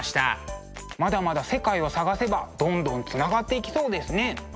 まだまだ世界を探せばどんどんつながっていきそうですね。